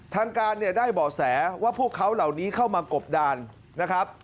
ทางการเนี่ยได้บ่อแสว่าพวกเขาเหล่านี้เข้ามากบดานนะครับ